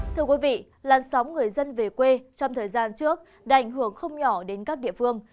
thưa quý vị làn sóng người dân về quê trong thời gian trước đã ảnh hưởng không nhỏ đến các địa phương